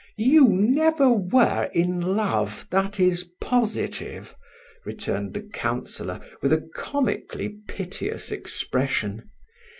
"You never were in love, that is positive," returned the Councillor, with a comically piteous expression.